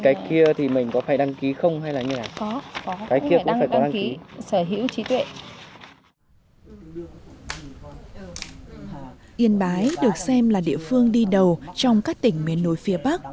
yên bái được xem là địa phương đi đầu trong các tỉnh miền núi phía bắc